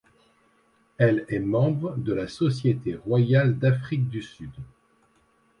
Elle est membre de la Société royale d'Afrique du Sud.